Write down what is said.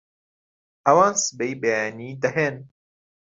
ئەوان سبەی بەیانی دەهێن